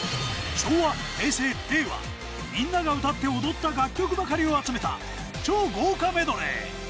昭和、平成、令和、みんなが歌って踊った楽曲ばかりを集めた、超豪華メドレー。